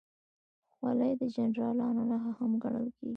خولۍ د جنرالانو نښه هم ګڼل شوې.